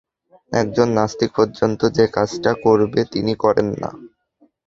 একজন নাস্তিক পর্যন্ত যে-কাজটা করবে, তিনি করেন নি।